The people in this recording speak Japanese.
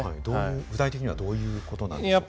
具体的にはどういうことなんでしょう？